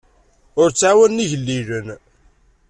Ur ttɛawanen igellilen.